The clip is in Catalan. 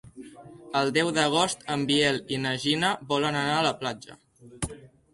El deu d'agost en Biel i na Gina volen anar a la platja.